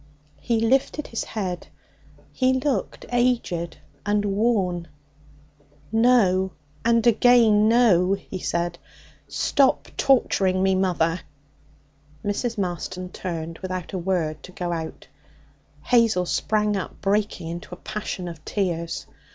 He lifted his head. He looked aged and worn. 'No! And again no!' he said. 'Stop torturing me, mother!' Mrs. Marston turned without a word to go out. Hazel sprang up, breaking into a passion of tears.